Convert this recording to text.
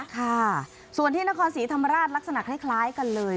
ค่ะส่วนที่นครศรีธรรมราชลักษณะคล้ายกันเลย